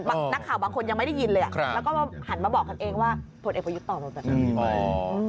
นักข่าวบางคนยังไม่ได้ยินเลยแล้วก็หันมาบอกกันเองว่าผลเอกประยุทธ์ตอบมาแบบนั้น